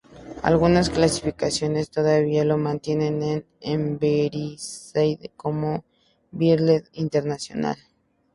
Algunas clasificaciones todavía lo mantienen en Emberizidae, como Birdlife International.